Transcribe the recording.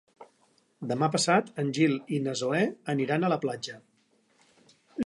Demà passat en Gil i na Zoè aniran a la platja.